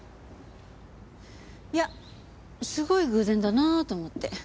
いやすごい偶然だなあと思って。